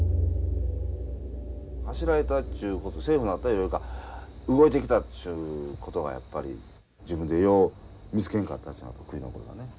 走られたっちゅうことセーフなったいうか動いてきたっちゅうことがやっぱり自分でよう見つけんかったっちゅうのは悔い残るわね。